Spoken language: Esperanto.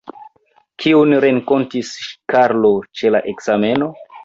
Kiun renkontis Karlo ĉe la ekzameno?